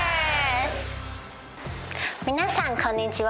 皆さんこんにちは。